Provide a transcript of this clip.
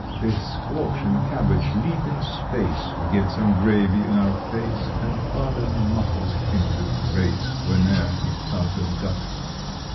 The squash and cabbage leap in space We get some gravy in our face And Father mutters Hindu grace Whene'er he carves a duck.